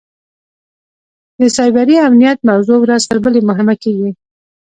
د سایبري امنیت موضوع ورځ تر بلې مهمه کېږي.